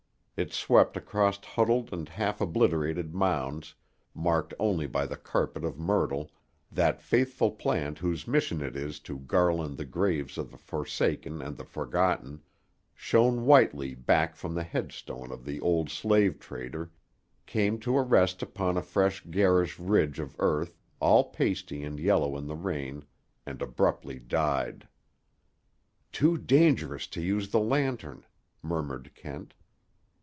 It swept across huddled and half obliterated mounds, marked only by the carpet of myrtle—that faithful plant whose mission it is to garland the graves of the forsaken and the forgotten—shone whitely back from the headstone of the old slave trader, came to a rest upon a fresh garish ridge of earth, all pasty and yellow in the rain, and abruptly died. "Too dangerous to use the lantern," murmured Kent.